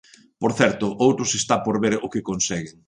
Por certo, outros está por ver o que conseguen.